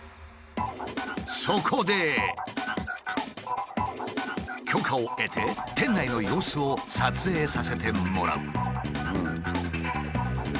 そこで許可を得て店内の様子を撮影させてもらう。